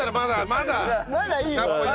まだいい？